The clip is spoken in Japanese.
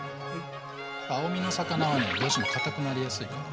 青身の魚はねどうしても堅くなりやすいから。